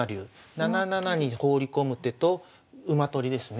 ７七に放り込む手と馬取りですね。